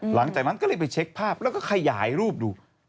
หลังจากนั้นก็เลยไปเช็คภาพแล้วก็ขยายรูปดู